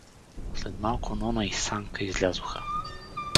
След малко Нона и Санка излязоха.